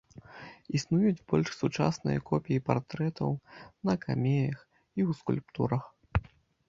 Існуюць больш сучасныя копіі партрэтаў на камеях і ў скульптурах.